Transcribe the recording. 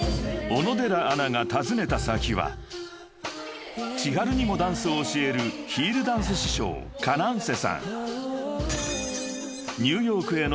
［小野寺アナが訪ねた先はｃｈｉｈａｒｕにもダンスを教えるヒールダンス師匠ＫａｎａｎｃＥさん］